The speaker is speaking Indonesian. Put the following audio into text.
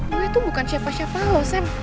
gue tuh bukan siapa siapa lo sam